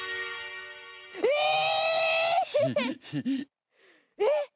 えっ？